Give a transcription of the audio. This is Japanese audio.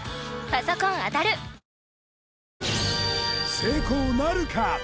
成功なるか？